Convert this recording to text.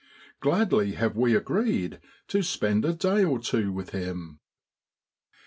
Grladly have we agreed to spend a day or two with him.